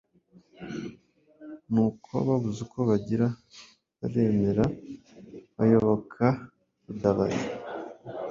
Nuko babuze uko bagira baremera bayoboka Rudabari,